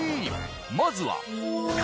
まずは。